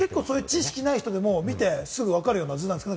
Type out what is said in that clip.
知識ない人でもすぐ分かるような図なんですか？